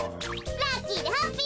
ラッキーでハッピー！